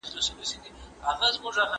¬ انسان بې وزره مرغه دئ.